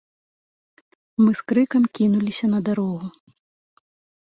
Мы з крыкам кінуліся на дарогу.